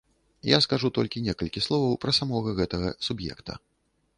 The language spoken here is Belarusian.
Я скажу толькі некалькі словаў пра самога гэтага суб'екта.